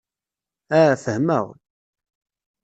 Ah, fehmeɣ.